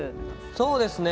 そうですね